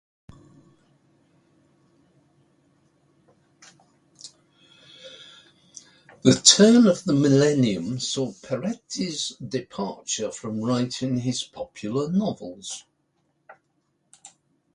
The turn of the millennium saw Peretti's departure from writing his popular novels.